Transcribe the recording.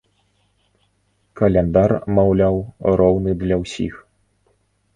Каляндар, маўляў, роўны для ўсіх.